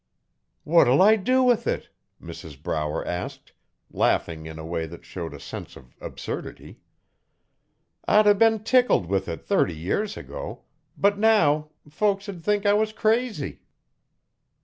'What'll I do with it?' Mrs Brower asked, laughing in a way that showed a sense of absurdity. 'I'd a been tickled with it thirty years ago, but now folks 'ud think I was crazy.'